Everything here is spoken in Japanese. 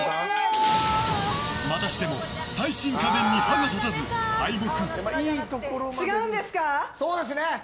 またしても最新家電に歯が立たず、敗北。